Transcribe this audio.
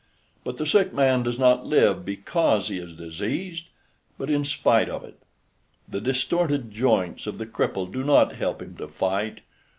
But the sick man does not live because he is diseased, but in spite of it. The distorted joints of the cripple do not help him to fight.